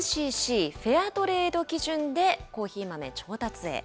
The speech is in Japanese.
ＵＣＣ、フェアトレード基準でコーヒー豆調達へ。